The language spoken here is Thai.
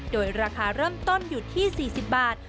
โดยราคาเริ่มต้นอยู่ที่๔๐บาท